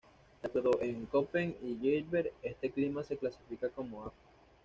De acuerdo con Köppen y Geiger este clima se clasifica como Af.